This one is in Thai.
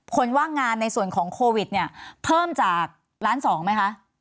ว่างงานในส่วนของโควิดเนี่ยเพิ่มจากล้านสองไหมคะ